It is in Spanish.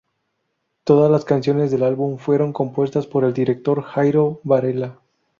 Todas las canciones del álbum fueron compuestas por el director Jairo Varela.